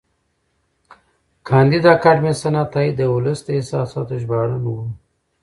کانديد اکاډميسن عطایي د ولس د احساساتو ژباړن و.